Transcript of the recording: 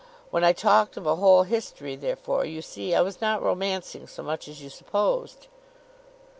When I talked of a whole history, therefore, you see I was not romancing so much as you supposed."